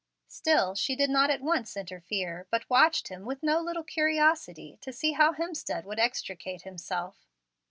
Still she did not at once interfere, but watched with no little curiosity, to see how Hemstead would extricate himself.